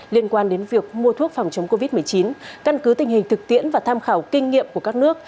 liên quan đến việc mua thuốc phòng chống covid một mươi chín căn cứ tình hình thực tiễn và tham khảo kinh nghiệm của các nước